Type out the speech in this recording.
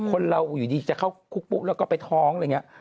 คนเราอยู่ดีจะเข้าคุกปุ๊บแล้วก็ไปท้องอะไรอย่างนี้